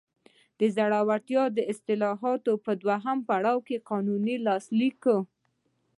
روزولټ د اصلاحاتو په دویم پړاو کې قانون لاسلیک کړ.